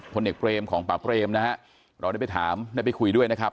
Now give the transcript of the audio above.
ผลเอกเบรมของป่าเปรมนะฮะเราได้ไปถามได้ไปคุยด้วยนะครับ